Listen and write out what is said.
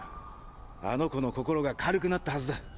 あの子の心が軽くなったはずだ。